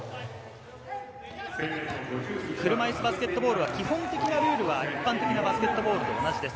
車いすバスケットボールは基本的なルールは一般的なバスケットボールと同じです。